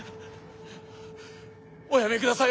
おやめください